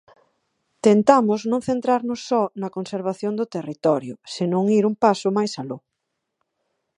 Tentamos non centrarnos só na conservación do territorio, senón ir un paso máis aló.